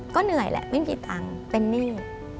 ก็เหนื่อยแหละไม่มีตังค์เป็นหนี้